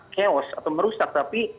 keos atau merusak tapi